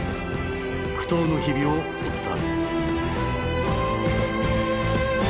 苦闘の日々を追った。